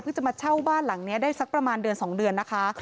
จะมาเช่าบ้านหลังนี้ได้สักประมาณเดือน๒เดือนนะคะ